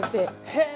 へえ！